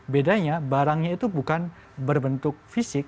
bedanya barangnya itu bukan berbentuk fisik